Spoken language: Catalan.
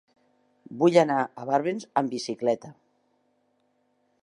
Vull anar a Barbens amb bicicleta.